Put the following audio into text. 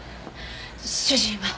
主人は？